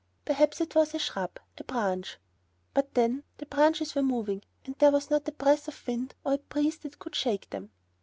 Perhaps it was a shrub, a branch. But then, the branches were moving and there was not a breath of wind or a breeze that could shake them.